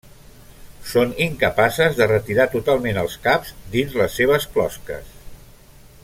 Són incapaces de retirar totalment els caps dins les seves closques.